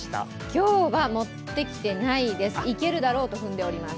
今日は持ってきてないですいけるだろうと踏んでおります。